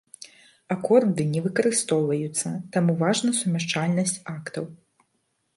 Акорды не выкарыстоўваюцца, таму важна сумяшчальнасць актаў.